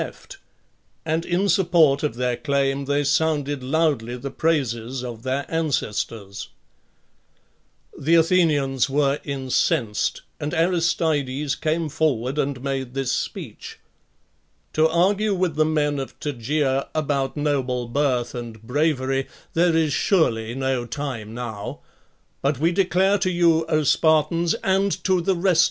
Jeft, and. in. support of their.claim they sounded loudly the praises of their ancestors, The Athenians were incensed, and Aristides came forward and made this speech: " To argue with the men of Tegea about noble birth and | bravery, there is 'surely no time now; but we declare to you, O Spartans, and. to the rest.